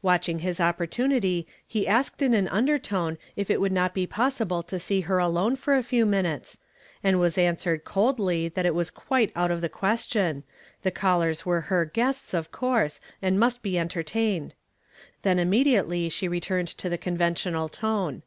Watching his op l)ortunity he asked in an undertone if it would not he possible to see her alone for a few minutes, and was answered coldly that it was (^uite out of the question, the callers were lier guests, of coui se, and must be entertained. Then innnediately she returned to the conventional tone.